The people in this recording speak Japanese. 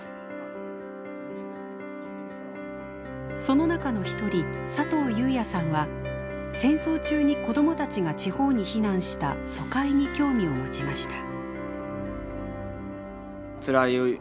その中の一人佐藤佑哉さんは戦争中に子どもたちが地方に避難した疎開に興味を持ちました。